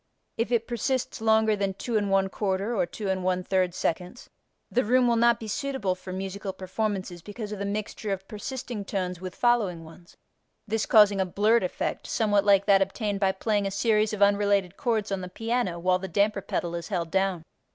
If it persists longer than 2 1/4 or 2 1/3 seconds the room will not be suitable for musical performances because of the mixture of persisting tones with following ones, this causing a blurred effect somewhat like that obtained by playing a series of unrelated chords on the piano while the damper pedal is held down.